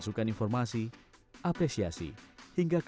oh ya tentu saja